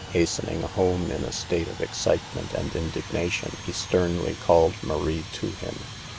Hastening home in a state of excite ment and indignation, he sternly called Marie to him.